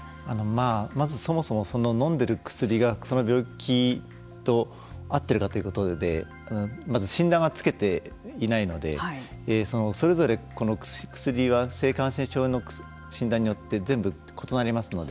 まず、そもそも飲んでいる薬がその病気と合ってるかというところでまず、診断を付けていないのでそれぞれこの薬は性感染症の診断によって全部異なりますので。